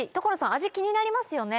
味気になりますよね？